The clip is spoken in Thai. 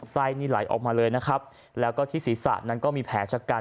ไส้นี่ไหลออกมาเลยนะครับแล้วก็ที่ศีรษะนั้นก็มีแผลชะกัน